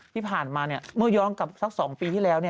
ที่ผ่านมาเมื่อย้อนกลับสัก๒ปีที่แล้ว